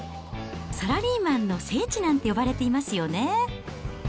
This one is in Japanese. サラリーマンの聖地なんて呼ばれていますよね。